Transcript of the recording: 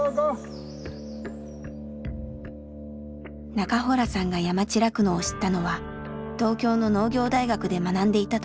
中洞さんが山地酪農を知ったのは東京の農業大学で学んでいた時。